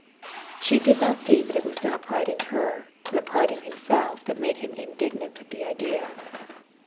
She did not see that it was not pride in her, but pride in himself, that made him indignant at the idea.